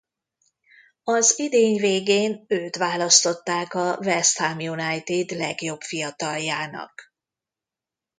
Az idény végén őt választották a West Ham United legjobb fiataljának.